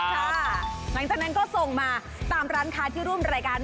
หลังจากนั้นก็ส่งมาตามร้านค้าที่ร่วมรายการ